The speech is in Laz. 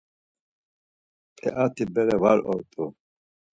P̌eat̆i bere var ort̆u.